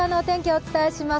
お伝えします。